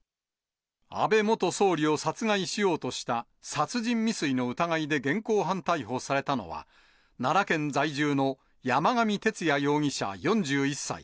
安倍元総理を殺害しようとした殺人未遂の疑いで現行犯逮捕されたのは、奈良県在住の山上徹也容疑者４１歳。